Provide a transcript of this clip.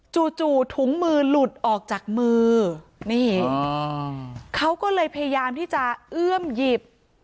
จู่ถุงมือหลุดออกจากมือนี่เขาก็เลยพยายามที่จะเอื้อมหยิบ